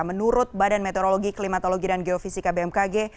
menurut badan meteorologi klimatologi dan geofisika bmkg